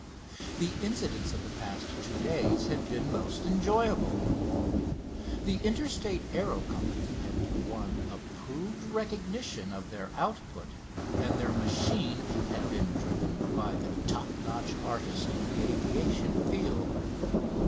The incidents of the past two days had been most enjoyable. The Interstate Aero Company had won approved recognition of their output, and their machine had been driven by the top notch artist in the aviation field.